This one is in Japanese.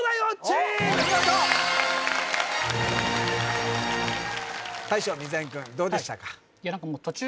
おっお見事大将・水谷君どうでしたか？